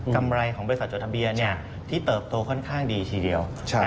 กำไรของบริษัทจดทะเบียนที่เติบโตค่อนข้างดีทีเดียว